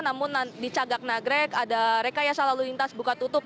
namun di cagak nagrek ada rekayasa lalu lintas buka tutup